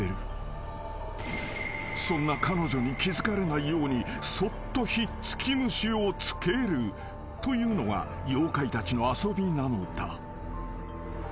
［そんな彼女に気付かれないようにそっとひっつき虫をつけるというのが妖怪たちの遊びなのだ］